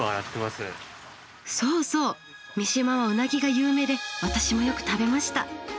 そうそう三島はウナギが有名で私もよく食べました。